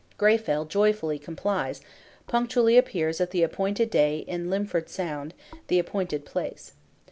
Greyfell joyfully complies, punctually appears at the appointed day in Lymfjord Sound, the appointed place.